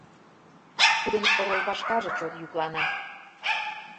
Тудын орол пашкарже чот йӱклана.